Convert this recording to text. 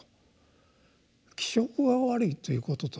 気色が悪いということとね